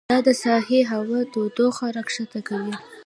دا د ساحلي هوا تودوخه راښکته کوي.